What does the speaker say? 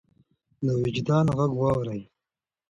د وجدان غږ واورئ.